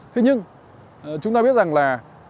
thế nhưng chúng ta biết rằng là